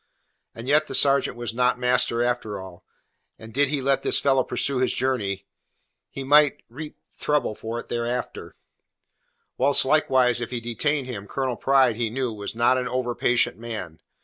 And yet the sergeant was not master after all, and did he let this fellow pursue his journey, he might reap trouble for it hereafter; whilst likewise if he detained him, Colonel Pride, he knew, was not an over patient man.